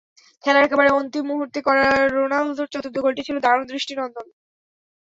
খেলার একেবারে অন্তিম মুহূর্তে করা রোনালদোর চতুর্থ গোলটি ছিল দারুণ দৃষ্টি নন্দন।